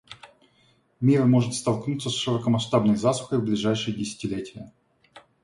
Мир может столкнуться с широкомасштабной засухой в ближайшие десятилетия.